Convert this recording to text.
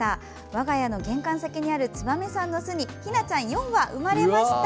我が家の玄関先にあるツバメさんの巣にひなちゃん４羽生まれました。